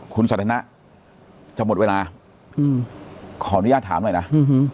คุณสันทนะจะหมดเวลาขออนุญาตถามหน่อยนะ